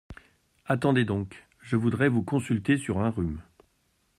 Attendez donc !… je voudrais vous consulter sur un rhume…